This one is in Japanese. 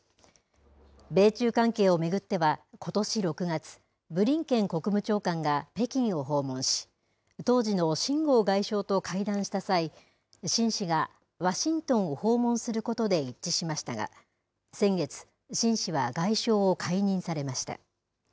米中関係を巡っては、ことし６月、ブリンケン国務長官が北京を訪問し、当時の秦剛外相と会談した際、秦氏が、ワシントンを訪問することで一致しましたが、先月、秦氏は外相を解任されました。